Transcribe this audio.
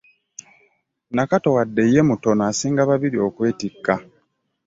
Nakato wadde ye mutono asinga Babirye okwetikka.